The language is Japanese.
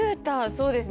そうですね。